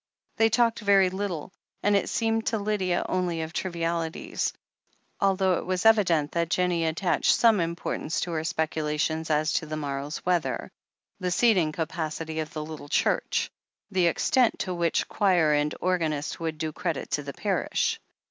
They talked very little, and, it seemed to Lydia, only of trivialities, although it was evident that Jennie at tached some importance to her speculations as to the morrow's weather, the seating capacity of the little THE HEEL OF ACHILLES 479 church, the extent to which choir and organist would do credit to the parish.